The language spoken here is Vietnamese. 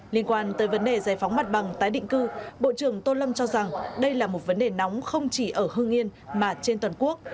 liên quan tới vấn đề giải phóng mặt bằng tái định cư bộ trưởng tôn lâm cho rằng đây là một vấn đề nóng không chỉ ở hương yên mà trên toàn quốc